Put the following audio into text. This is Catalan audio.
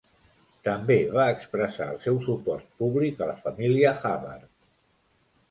També va expressar el seu suport públic a la família Hubbard.